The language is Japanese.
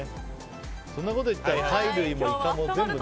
そんなこと言ったら貝類もイカも全部ね。